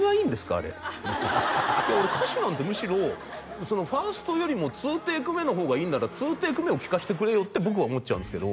あれいや俺歌手なんてむしろそのファーストよりも２テイク目の方がいいんなら２テイク目を聴かしてくれよって僕は思っちゃうんですけど